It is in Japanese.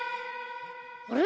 あれ？